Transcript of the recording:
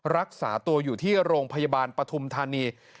รักษาตัวอยู่ที่โรงพยาบาลปฐุมธานี